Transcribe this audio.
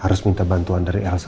harus minta bantuan dari elsa segala